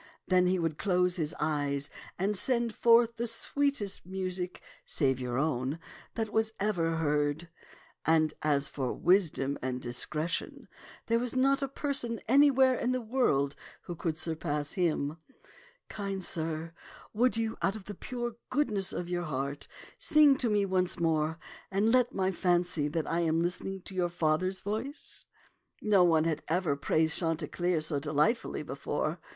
Then he would close his eyes and send forth the sweetest music, save your own, that was ever heard ; and as for wisdom and dis cretion, there was not a person anywhere in the world who could surpass him. Kind sir, would you out of the pure goodness of your heart sing to me once more, and let me fancy that I am listening to your father's voice? " No one had ever praised Chanticleer so delightfully before.